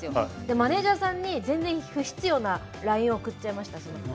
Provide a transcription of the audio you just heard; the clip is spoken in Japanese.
マネージャーさんに全然不必要なＬＩＮＥを送ってしまいました。